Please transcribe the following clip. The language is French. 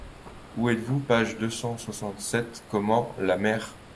Où êtes-vous ? page deux cent soixante-sept. — Comment ! la mer !